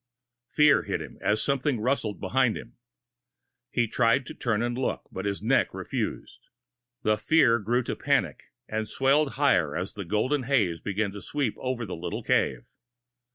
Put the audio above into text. Fear hit him, as something rustled behind him. He tried to turn and look, but his neck refused. The fear grew to panic, and swelled higher as the golden haze began to spread over the little cave.